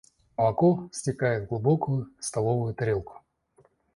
Молоко стекает в глубокую столовую тарелку.